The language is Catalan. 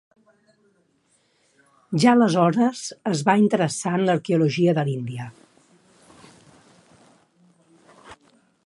Ja aleshores es va interessar en l'arqueologia de l'Índia.